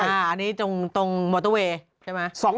อันนี้ตรงมอเตอร์เวย์ใช่ไหม